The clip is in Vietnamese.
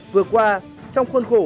vừa qua trong khuôn khổ